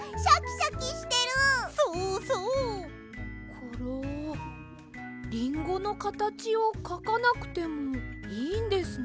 コロリンゴのかたちをかかなくてもいいんですね。